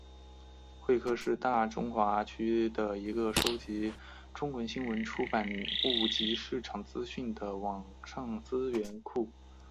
慧科是大中华区的一个收集中文新闻出版物及市场资讯的网上资料库。